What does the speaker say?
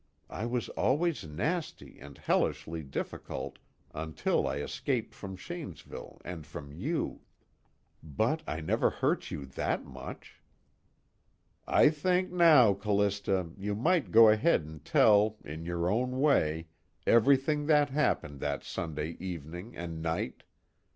I was always nasty and hellishly difficult until I escaped from Shanesville and from you but I never hurt you THAT much._ "I think now, Callista, you might go ahead and tell, in your own way, everything that happened that Sunday evening and night.